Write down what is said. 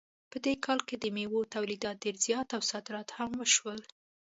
په دې کال کې د میوو تولید ډېر زیات و او صادرات هم وشول